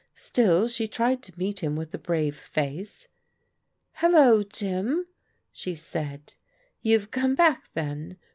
Still she tried to meet him with a brave face. " Hello, Jim," she said, " you have come back then.